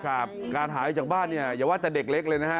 ครับการหายจากบ้านอย่าว่าแต่เด็กเล็กเลยนะฮะ